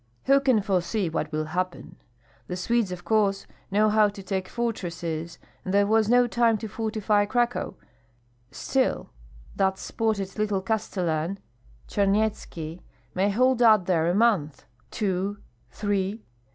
Who can foresee what will happen? The Swedes, of course, know how to take fortresses, and there was no time to fortify Cracow. Still, that spotted little castellan (Charnyetski) may hold out there a month, two, three.